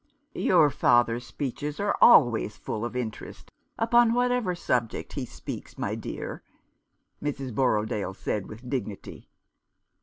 "Your father's speeches are always full of 217 Rough Justice. interest, upon whatever subject he speaks, my dear," Mrs. Borrodaile said, with dignity.